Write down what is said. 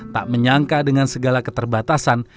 tak menyangka dengan segala keterbatasan